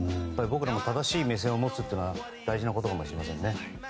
僕らも正しい目線を持つことが大事なことかもしれませんね。